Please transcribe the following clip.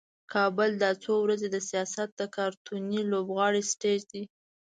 کابل دا څو ورځې د سیاست د کارتوني لوبغاړو سټیج دی.